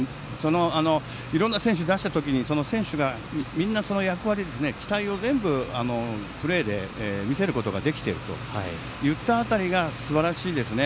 いろんな選手を出した時に、みんな役割、期待を全部プレーで見せることができるといった辺りすばらしいですね。